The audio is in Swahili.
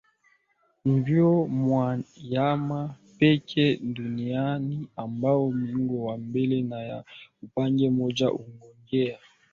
Ndio wanyama pekee duniani ambao miguu ya mbele naya nyuma ya upande mmoja hujongea